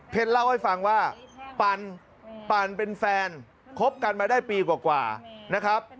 เล่าให้ฟังว่าปันเป็นแฟนคบกันมาได้ปีกว่านะครับ